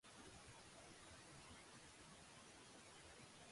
僕らが求めている場所に近かった